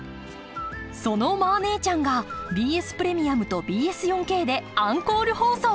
その「マー姉ちゃん」がＢＳプレミアムとＢＳ４Ｋでアンコール放送！